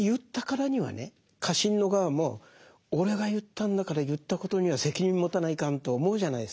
家臣の側も俺が言ったんだから言ったことには責任持たないかんと思うじゃないですか。